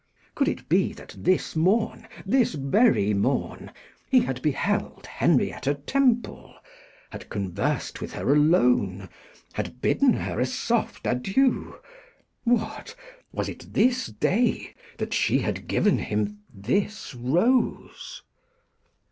Could it be that this morn, this very morn, he had beheld Henrietta Temple, had conversed with her alone, had bidden her a soft adieu? What, was it this day that she had given him this rose?